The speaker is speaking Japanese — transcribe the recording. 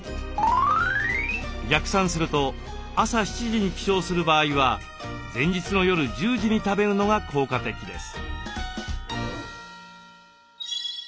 逆算すると朝７時に起床する場合は前日の夜１０時に食べるのが効果的です。